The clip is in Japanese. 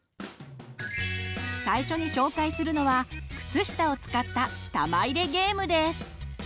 最初に紹介するのは靴下を使った玉入れゲームです。